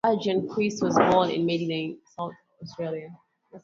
Adrian Quist was born in Medindie, South Australia.